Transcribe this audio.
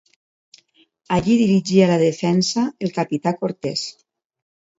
Allí dirigia la defensa el capità Cortés.